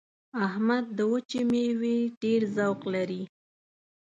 احمد د وچې مېوې ډېر ذوق لري.